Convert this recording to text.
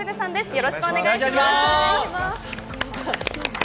よろしくお願いします。